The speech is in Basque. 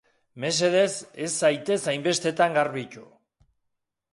Mesedez, ez zaitez hainbestetan garbitu.